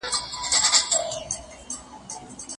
څوک دي د مقطعاتو حروفو تفسير او تعبير نکوي.